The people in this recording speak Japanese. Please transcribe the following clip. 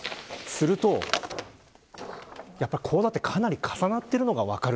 するとこうなってかなり重なっているのが分かる。